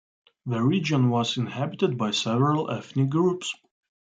The region was inhabited by several ethnic groups.